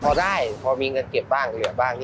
ก็พอได้พอวิ่งกันเก็บบ้างเลือกบ้าง